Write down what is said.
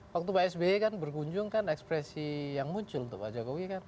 waktu pak sby kan berkunjung kan ekspresi yang muncul untuk pak jokowi kan